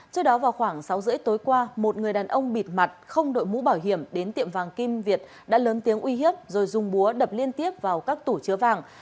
trước đó vào khoảng sáu h ba mươi tối qua một người đàn ông bịt mặt không đội mũ bảo hiểm đến tiệm vàng kim việt đã lớn tiếng uy hiếp rồi dùng búa đập liên tiếp vào các tủ chứa vàng